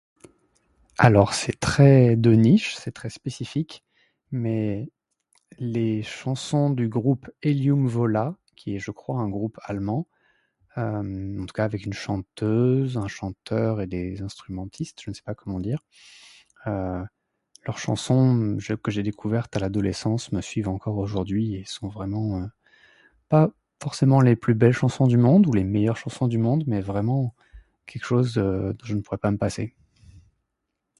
Alors c'est très de niche, c'est très spécifique mais, les chansons du groupe Helium Vola, qui est je crois un groupe allemand, en tout cas avec une chanteuse, un chanteur et des instrumentistes, je ne sais pas comment dire. Leurs chansons, que j'ai découvertes à l'adolescence me suivent encore aujourd'hui et sont vaiment, pas forcément les plus belles chansons du monde ou les meilleures chansons du monde, mais vraiment quelque chose que je ne pourrais pas me passer.